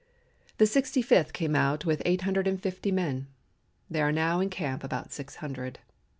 The Sixty fifth came out with eight hundred and fifty men; there are now in camp about six hundred.